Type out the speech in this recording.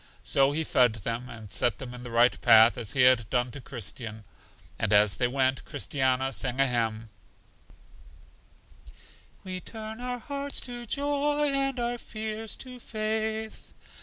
So He fed them, and set them in the right path, as He had done to Christian. And as they went, Christiana sang a hymn: "We turn our tears to joy, and our fears to faith."